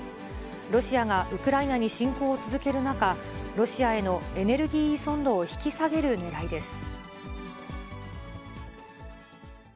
ロシアがウクライナに侵攻を続ける中、ロシアへのエネルギー依存度を引き下げるねらいです。